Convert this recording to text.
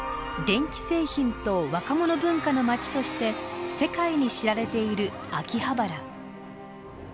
電気製品と若者文化の街として世界に知られている秋葉原。